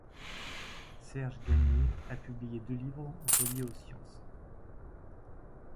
Serge Gagnier a publié deux livres reliés aux sciences.